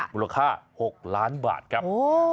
มูลค่า๖ล้านบาทครับ